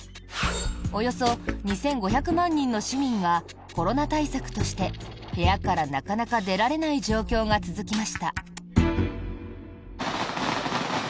およそ２５００万人の市民がコロナ対策として部屋からなかなか出られない状況が続きました。